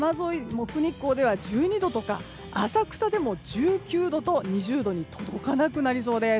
奥日光では１２度とか浅草でも１９度と２０度に届かなくなりそうです。